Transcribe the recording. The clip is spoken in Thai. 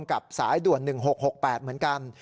กับสายด่วน๑๖๖๘เหมือนกัน